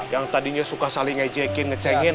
yang tadinya suka saling ngejekin ngecengin